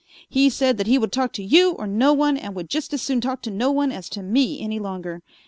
He said that he would talk to you or no one and would just as soon talk to no one as to me any longer.